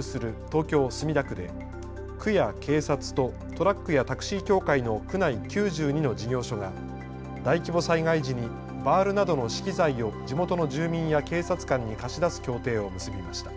東京墨田区で区や警察とトラックやタクシー協会の区内９２の事業所が大規模災害時にバールなどの資機材を地元の住民や警察官に貸し出す協定を結びました。